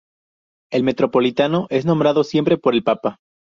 El metropolitano es nombrado siempre por el papa.